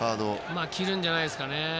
切るんじゃないですかね。